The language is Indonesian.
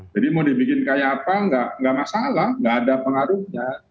jadi mau dibikin kayak apa nggak masalah nggak ada pengaruhnya